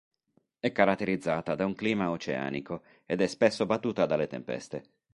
È caratterizzata da un clima oceanico ed è spesso battuta dalle tempeste.